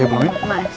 ya belum ya